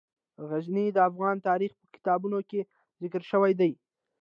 غزني د افغان تاریخ په کتابونو کې ذکر شوی دي.